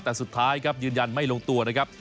แต่สุดท้ายครับยืนยันไม่ลงตัวนะครับ